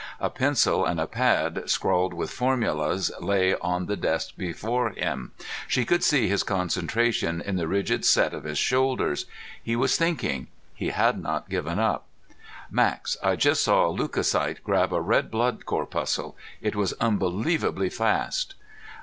A pencil and a pad scrawled with formulas lay on the desk before him. She could see his concentration in the rigid set of his shoulders. He was still thinking; he had not given up. "Max, I just saw a leucocyte grab a red blood corpuscle. It was unbelievably fast."